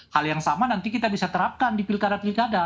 hal yang sama nanti kita bisa terapkan di pilkada pilkada